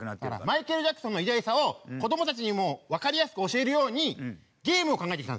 マイケル・ジャクソンの偉大さを子どもたちにもわかりやすく教えるようにゲームを考えてきたんですよ。